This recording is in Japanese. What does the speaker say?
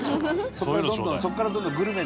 そこからどんどんグルメに」